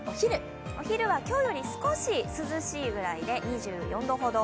お昼は今日より少し涼しいくらいで２４度ほど。